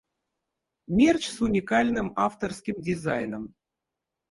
Мерч с уникальным авторским дизайном.